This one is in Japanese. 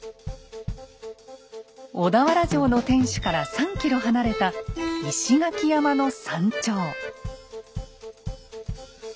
小田原城の天守から３ｋｍ離れた石垣山の山頂。